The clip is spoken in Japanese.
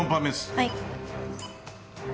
はい。